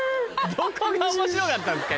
どこが面白かったんですか今の。